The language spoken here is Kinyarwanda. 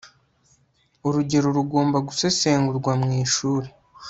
urugero rugomba gusesengurwa mu ishuri